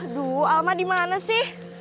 aduh alma dimana sih